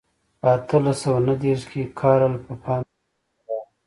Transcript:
په اتلس سوه نهه دېرش کې کارل پفاندر هند ته راغی.